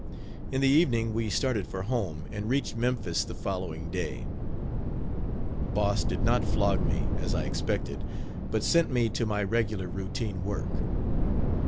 In the evening we started for home, and reached Memphis the following day. Boss did not flog me, as I expected, but sent me to my regular routine work.